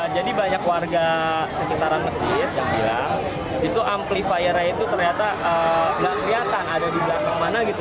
jadi banyak warga sekitaran masjid yang bilang itu amplifiernya itu ternyata tidak terlihat ada di belakang mana gitu